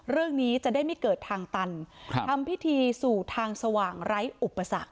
เรื่องนี้จะได้ไม่เกิดทางตันทำพิธีสู่ทางสว่างไร้อุปสรรค